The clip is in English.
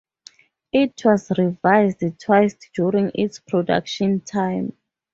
It was revised twice during its production time.